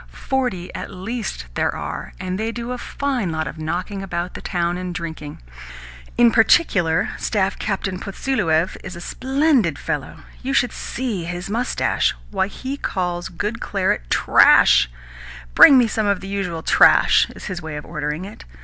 Forty at least there are, and they do a fine lot of knocking about the town and drinking. In particular, Staff Captain Potsieluev is a SPLENDID fellow! You should just see his moustache! Why, he calls good claret 'trash'! 'Bring me some of the usual trash,' is his way of ordering it.